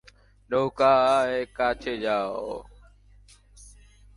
নৌকায় কাছে যাও!